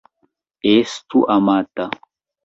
Estu amata.